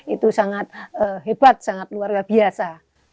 itu sangat hebat sangat luar biasa